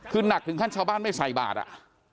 คือหนักถึงขั้นชาวบ้านไม่ใส่บาทอ่ะ